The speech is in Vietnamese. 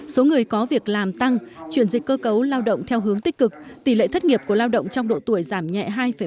số người có việc làm tăng chuyển dịch cơ cấu lao động theo hướng tích cực tỷ lệ thất nghiệp của lao động trong độ tuổi giảm nhẹ hai bảy